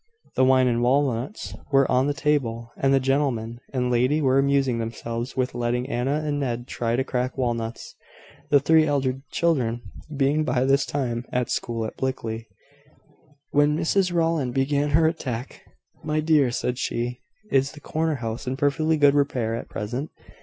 The wine and walnuts were on the table, and the gentleman and lady were amusing themselves with letting Anna and Ned try to crack walnuts (the three elder children being by this time at school at Blickley), when Mrs Rowland began her attack. "My dear," said she, "is the corner house in perfectly good repair at present?"